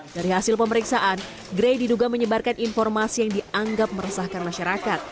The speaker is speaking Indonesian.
dari hasil pemeriksaan gray diduga menyebarkan informasi yang dianggap meresahkan masyarakat